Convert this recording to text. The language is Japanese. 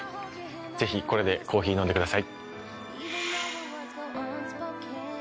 ぜひこれでコーヒー飲んでください。